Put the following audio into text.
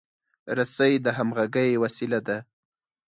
رسۍ د همغږۍ وسیله ده.